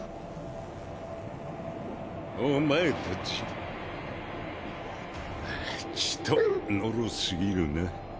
お前たちはぁちとのろすぎるな。